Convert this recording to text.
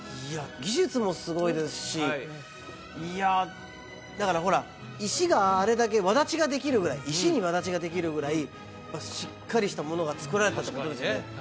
いや技術もすごいですしいやあだからほら石があれだけ轍ができるぐらい石に轍ができるぐらいしっかりしたものが造られたってことですよね